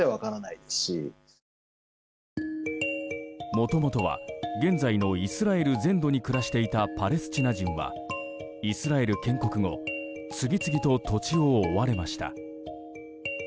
もともとは現在のイスラエル全土に暮らしていたパレスチナ人はイスラエル建国後次々と土地を追われました。